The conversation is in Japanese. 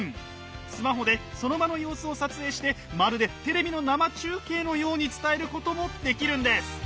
スマホでその場の様子を撮影してまるでテレビの生中継のように伝えることもできるんです。